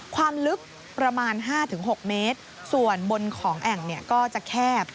ความลึกประมาณ๕๖เมตรส่วนบนของแอ่งเนี่ยก็จะแคบ